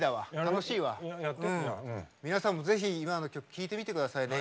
皆さんも是非今の曲聴いてみてください。